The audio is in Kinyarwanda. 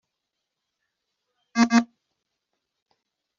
Basabirisha umugisha akanwa kanduye